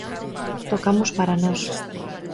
Tocamos para nós.